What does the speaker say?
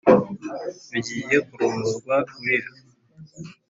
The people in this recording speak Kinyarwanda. ugiye kurongorwa urira